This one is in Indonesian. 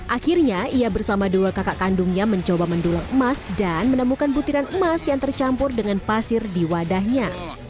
akhirnya ia bersama dua kakak kandungnya mencoba mendulang emas dan menemukan butiran emas yang tercampur dengan pasir di wadahnya